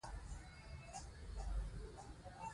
د نړیوالې همکارۍ بنسټ د ډيپلوماسی له لارې ایښودل کېږي.